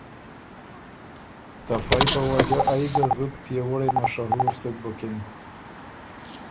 ته فئ په وجه ائ ګه زُت پئےوُړئ مشهور سُک بُکِن